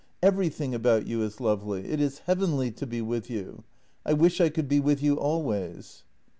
Everything about you is lovely; it is heavenly to be with you. I wish I could be with you always."